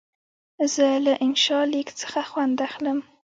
زه له انشا لیک څخه خوند اخلم.